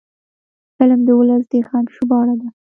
فلم د ولس د غږ ژباړه ده